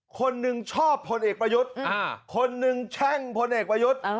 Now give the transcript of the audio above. คนหนึ่งชอบพลเอกประยุทธ์คนหนึ่งแช่งพลเอกประยุทธ์